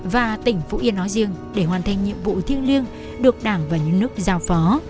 và tỉnh phú yên nói riêng để hoàn thành nhiệm vụ thiêng liêng được đảng và những nước giao phó